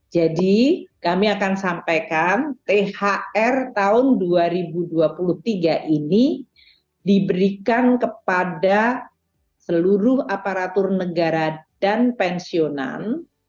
jadi kami akan sampaikan thr tahun dua ribu dua puluh tiga ini diberikan kepada seluruh aparatur negara dan pensiunan